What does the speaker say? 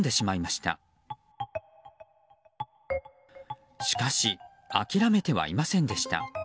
しかし、諦めてはいませんでした。